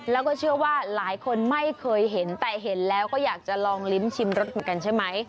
แล้วก็เชื่อว่าหลายคนไม่เคยเห็นแต่เห็นแล้วก็อยากจะลองลิ้มชิมรสเหมือนกันใช่ไหม